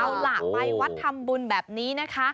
เอาล่ะไปวัดทำบุญแบบนี้นะคะ